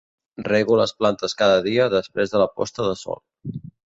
Rego les plants cada dia després de la posta de sol.